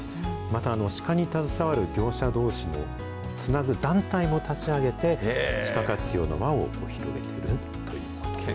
また、シカに携わる業者どうしをつなぐ団体も立ち上げて、シカ活用の輪をつなげているということです。